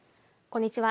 こんにちは。